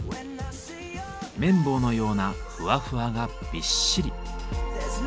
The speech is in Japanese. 綿棒のようなふわふわがびっしり。